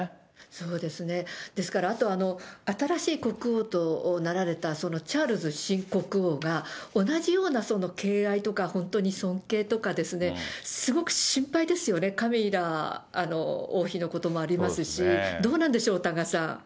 そうですね、ですからあとは、新しい国王となられたチャールズ新国王が、同じような敬愛とか、本当に尊敬とかですね、すごく心配ですよね、カミラ王妃のこともありますし、どうなんでしょう、多賀さん。